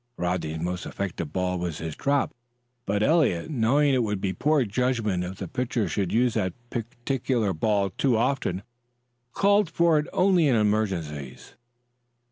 Rodney's most effective ball was his drop, but Eliot, knowing it would be poor judgment if the pitcher should use that particular ball too often, called for it only in emergencies.